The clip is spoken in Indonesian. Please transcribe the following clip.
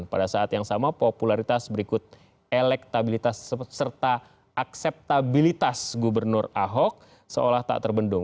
pada saat yang sama popularitas berikut elektabilitas serta akseptabilitas gubernur ahok seolah tak terbendung